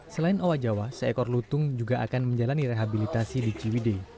selain owa jawa seekor lutung juga akan menjalani rehabilitasi di ciwide